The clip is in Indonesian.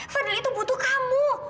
fadil itu butuh kamu